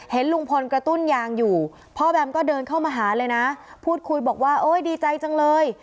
เห็นลุงพลกระตุ้นยางอยู่พ่อแบมก็เดินเข้ามาหาเลยนะพูดคุยบอกว่าเอ้ยดีใจจังเลย